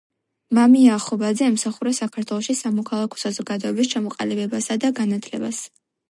მამია ახობაძე ემსახურა საქართველოში სამოქალაქო საზოგადოების ჩამოყალიბებასა და განათლებას.